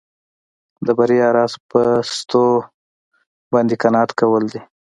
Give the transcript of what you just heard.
د بریا راز په شتو باندې قناعت کول دي.